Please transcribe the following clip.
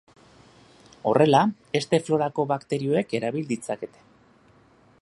Horrela, heste-florako bakterioek erabil ditzakete.